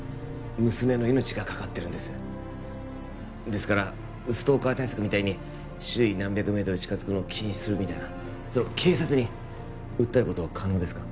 娘の命がかかってるんですですからストーカー対策みたいに周囲何百メートルに近づくのを禁止するみたいなそれを警察に訴えることは可能ですか？